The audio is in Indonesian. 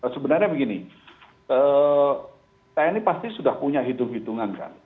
sebenarnya begini tni pasti sudah punya hitung hitungan kan